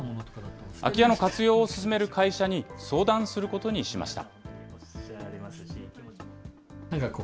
空き家の活用を進める会社に相談することにしました。